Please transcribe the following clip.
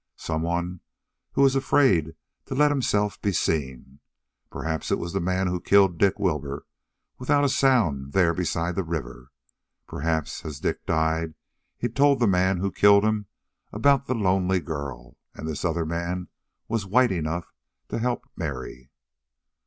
Someone who was afraid to let himself be seen. Perhaps it was the man who killed Dick Wilbur without a sound there beside the river; perhaps as Dick died he told the man who killed him about the lonely girl and this other man was white enough to help Mary.